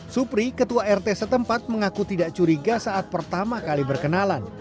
supri ketua rt setempat mengaku tidak curiga saat pertama kali berkenalan